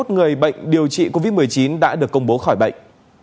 hai mươi người bệnh điều trị covid một mươi chín đã được công bố khỏi bệnh